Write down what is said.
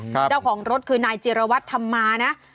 ครับเจ้าของรถคือนายเจียรวัตน์ธรรมานะอืม